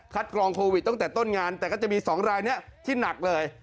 กรองโควิดตั้งแต่ต้นงานแต่ก็จะมี๒รายนี้ที่หนักเลย